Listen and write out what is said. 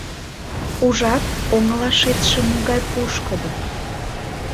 Ужат, оҥылашетше могай пушкыдо!..